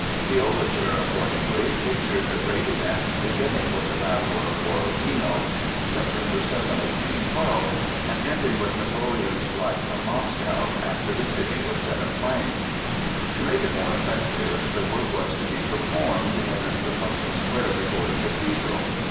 The overture, accordingly, pictured the great events beginning with the Battle of Borodino (September 7, 1812) and ending with Napoleon's flight from Moscow, after the city was set aflame. To make it more effective, the work was to be performed in the public square before the cathedral.